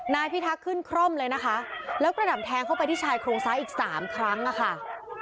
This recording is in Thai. นายพิทักษ์ขึ้นคร่อมเลยนะคะแล้วกระหน่ำแทงเข้าไปที่ชายโครงซ้ายอีกสามครั้งอะค่ะ